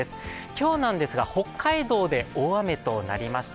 今日なんですが、北海道で大雨となりました。